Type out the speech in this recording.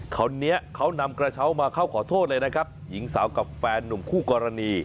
คนนี้เขานำกระเช้ามาเข้าขอโทษเลยนะครับหญิงสาวกับแฟนหนุ่มคู่กรณี